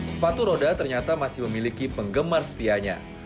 sepatu roda ternyata masih memiliki penggemar setianya